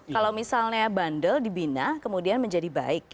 kalau misalnya bandel dibina kemudian menjadi baik